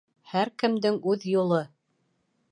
Һәр кемдең үҙ юлы.